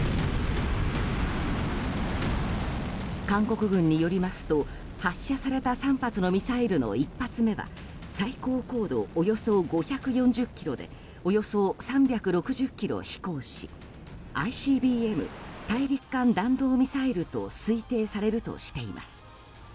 韓国軍によりますと発射された３発のミサイルの１発目は最高高度およそ５４０ｋｍでおよそ３６０ｋｍ飛行しＩＣＢＭ・大陸間弾道ミサイルと推定されるとしています。